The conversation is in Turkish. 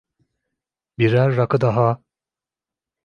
Birer rakı daha!